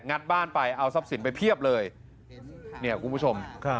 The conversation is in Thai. ัดบ้านไปเอาทรัพย์สินไปเพียบเลยเนี่ยคุณผู้ชม